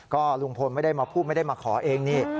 ก็ลุงพลไม่ได้มาพูดไม่ได้มาขอเองนี่